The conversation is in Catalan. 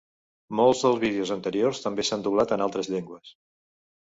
Molts dels vídeos anteriors també s'han doblat en altres llengües.